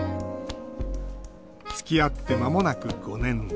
つきあってまもなく５年。